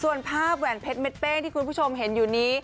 ส่วนภาพแหวนเพชรเม็ดเป้ที่คุณผู้ชมเห็นอยู่นี้